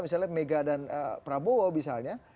misalnya mega dan prabowo misalnya